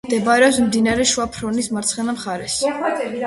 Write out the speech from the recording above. მდებარეობს მდინარე შუა ფრონის მარცხენა მხარეს.